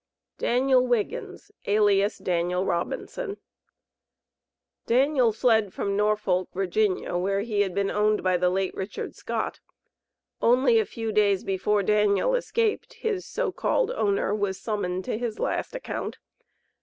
DANIEL WIGGINS, alias DANIEL ROBINSON. Daniel fled from Norfolk, Va., where he had been owned by the late Richard Scott. Only a few days before Daniel escaped, his so called owner was summoned to his last account.